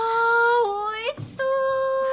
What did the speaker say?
おいしそう！